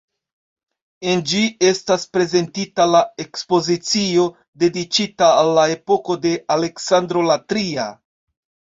En ĝi estas prezentita la ekspozicio, dediĉita al la epoko de Aleksandro la Tria.